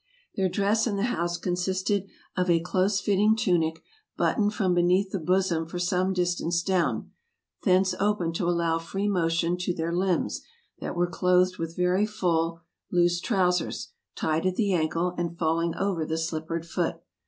Their dress in the house consisted of a close fitting tunic, buttoned from beneath the bosom for some distance down, thence open to allow free motion to their limbs, that were clothed with very full, loose trowsers, tied at the ankle, and falling over the slippered foot.